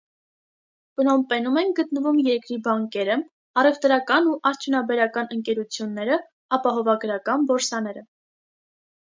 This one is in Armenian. Պնոմպենում են գտնվում երկրի բանկերը, առևտրական ու արդյունաբերական ընկերությունները, ապահովագրական բորսաները։